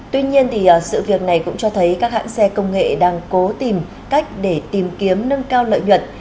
tuy nhiên sự việc này cũng cho thấy các hãng xe công nghệ đang cố tìm cách để tìm kiếm nâng cao lợi nhuận